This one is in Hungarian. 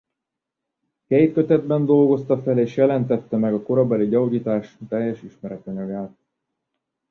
Két kötetben dolgozta fel és jelentette meg a korabeli gyógyítás teljes ismeretanyagát.